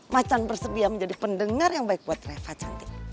macan bersedia menjadi pendengar yang baik buat reva cantik